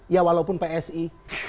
ya walaupun psi